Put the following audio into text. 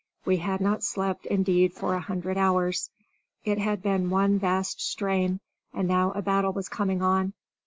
We had not slept, indeed, for a hundred hours. It had been one vast strain, and now a battle was coming on.